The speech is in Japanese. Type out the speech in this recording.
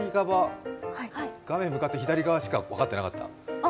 画面向かって左側しか分かってなかった。